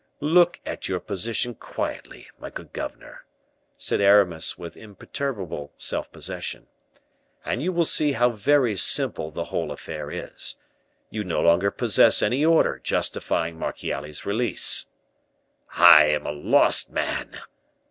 "Look at your position quietly, my good governor," said Aramis, with imperturbable self possession, "and you will see how very simple the whole affair is. You no longer possess any order justifying Marchiali's release." "I am a lost man!"